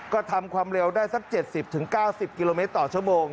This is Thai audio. ก็ทำความเร็วได้สัก๗๐๙๐กิโลเมตรต่อชั่วโมง